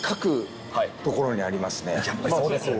やっぱりそうですよね。